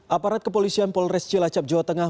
aparat kepolisian polres cilacap jawa tengah